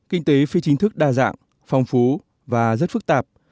kinh tế phi chính thức đa dạng phong phú và rất phức tạp